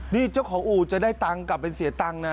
นี่เจ้าของอู่จะได้เงินฯกลับเป็นเสียเงินฯนะ